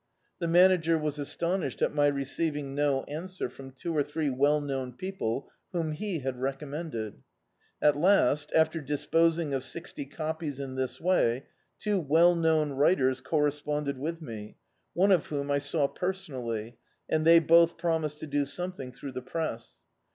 The Manager was astonished at my receiving no answer from two or three well known people whom he had recommended. At last, after disposing of sixty copies in this way, two well known writers correspraided with me, one of whom I saw personally, and they both prcnnised to do something through the press.